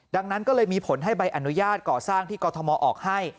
ดังนั้นก็เลยมีผลให้ใบอนุญาตก่อสร้างที่กรทมออกให้